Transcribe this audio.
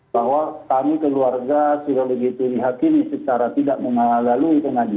bahwa kami keluarga sudah begitu dihakimi secara tidak melalui pengadilan